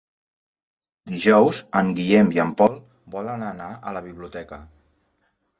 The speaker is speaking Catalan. Dijous en Guillem i en Pol volen anar a la biblioteca.